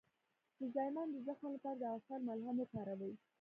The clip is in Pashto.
د زایمان د زخم لپاره د عسل ملهم وکاروئ